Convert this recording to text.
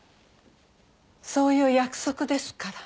そういう約束ですから。